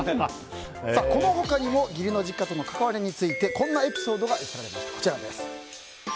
この他にも義理の実家との関わりについてこんなエピソードが寄せられました。